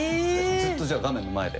ずっとじゃあ画面の前で？